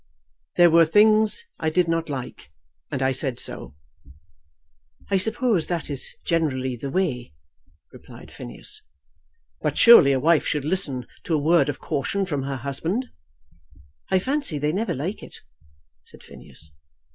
"There were things I did not like, and I said so." "I suppose that is generally the way," replied Phineas. "But surely a wife should listen to a word of caution from her husband." "I fancy they never like it," said Phineas.